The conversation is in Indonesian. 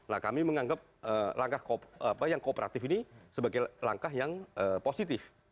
nah kami menganggap langkah yang kooperatif ini sebagai langkah yang positif